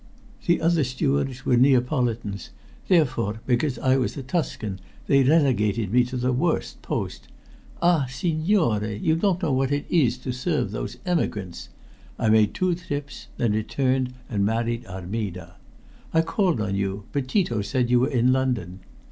The other stewards were Neapolitans, therefore, because I was a Tuscan, they relegated me to the worst post. Ah, signore, you don't know what it is to serve those emigrants! I made two trips, then returned and married Armida. I called on you, but Tito said you were in London.